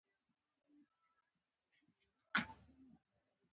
ماشین ګن ورسره وو.